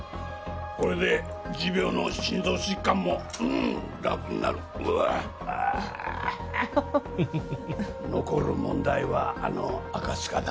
これで持病の心臓疾患もうーん楽になるうわっああ残る問題はあの赤塚だ